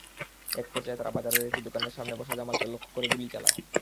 একপর্যায়ে তারা বাজারের একটি দোকানের সামনে বসা জামালকে লক্ষ্য করে গুলি চালায়।